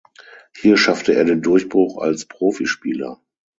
Hier schaffte er den Durchbruch als Profispieler.